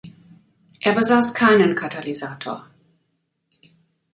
Er besaß keinen Katalysator.